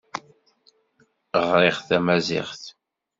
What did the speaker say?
Ɣriɣ tamaziɣt.